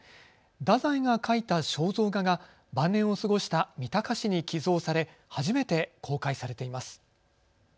太宰が描いた肖像画が晩年を過ごした三鷹市に寄贈され初めて公開されています。